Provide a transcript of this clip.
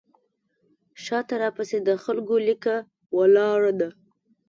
شاته راپسې د خلکو لیکه ولاړه ده.